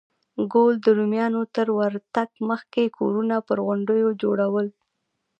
ګول ته د رومیانو تر ورتګ مخکې کورونه پر غونډیو جوړول